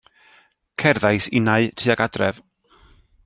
Cerddais innau tuag adref.